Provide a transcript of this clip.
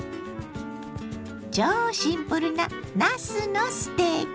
超シンプルななすのステーキ。